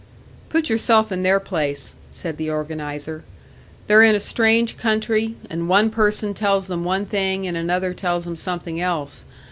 "Put yourself in their place," said the organiser. "They're in a strange country, and one person tells them one thing, and another tells them something else.